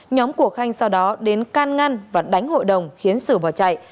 nhóm của khanh sau đó đến can ngăn và đánh hội đồng khiến sửu vào chạy